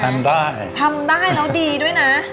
ทำได้ทำได้แล้วดีด้วยนะ